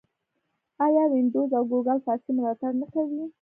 آیا وینډوز او ګوګل فارسي ملاتړ نه کوي؟